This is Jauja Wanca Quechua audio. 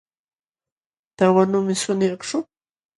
Tanwanuymi suni akshu